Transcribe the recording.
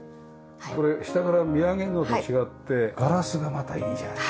これ下から見上げるのと違ってガラスがまたいいじゃないですか。